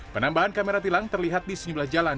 penambahan kamera tilang terlihat di sejumlah jalan